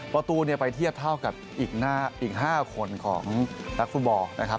ประตูเนี่ยไปเทียบเท่ากับอีก๕คนของนักฟุตบอลนะครับ